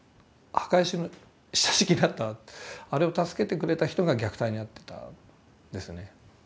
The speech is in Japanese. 墓石の下敷きになったあれを助けてくれた人が虐待に遭ってたんですね。